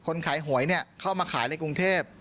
คนขายหวยเข้ามาขายในกรุงเทพ